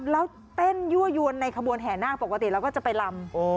แล้วเต้นยั่วยวนในขบวนแห่นาคปกติเราก็จะไปลำ